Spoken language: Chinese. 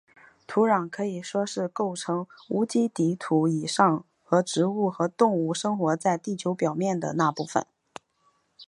土壤可以说是构成无机底土以上和植物和动物生活在地球表面的那部分。